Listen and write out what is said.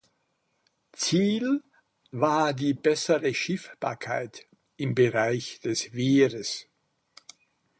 Ziel war die bessere Schiffbarkeit im Bereich des Wehres.